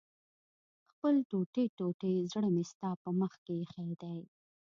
خپل ټوټې ټوټې زړه مې ستا په مخ کې ايښی دی